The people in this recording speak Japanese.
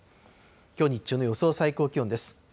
きょう日中の予想最高気温です。